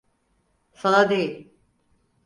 Sana değil.